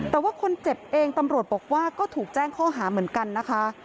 แต่ว่าคนเจ็บเองตำรวจบอกว่าก็ถูกแจ้งข้อหาเหมือนกันนะคะ